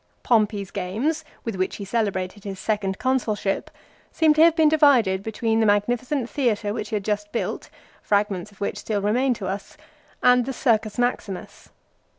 Pom pey's games, with which he celebrated his second Consulship, seem to have been divided between the magnificent theatre which he had just built, fragments of which still remain to us, and the " circus maximus."